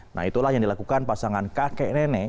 nah itulah yang dilakukan pasangan kakek nenek